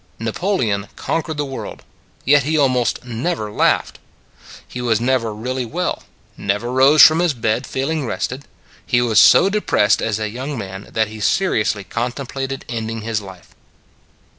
Napoleon conquered the world; yet he almost never laughed. He was never really well; never rose from his bed feel ing rested; he was so depressed as a young man that he seriously contemplated end ing his life.